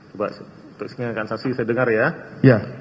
coba untuk ingatkan saksi saya dengar ya